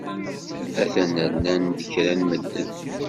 Atan rnan-d kra n medden.